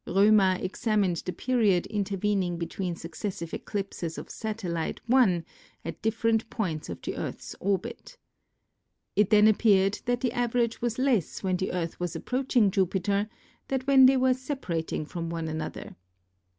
Roemer examined the .period intervening between successive AND RELATIVITY 23 eclipses of Satellite I at different points of the Earth's orbit. It then appeared that the average was less when the Earth was approaching Jupiter than when they were separating from one another.